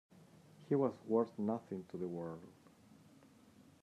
He was worth nothing to the world.